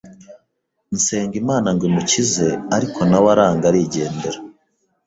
nsenga Imana ngo imukize ariko na we aranga arigendera.